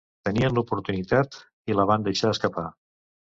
Tenien l’oportunitat i la van deixar escapar.